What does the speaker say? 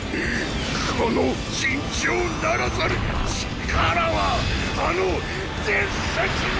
この尋常ならざる力はあの伝説の。